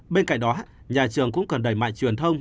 bên cạnh đó nhà trường cũng cần đẩy mạnh truyền thông